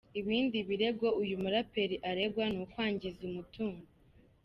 Ibindi birego uyu muraperi aregwa ni ukwangiza umutungo.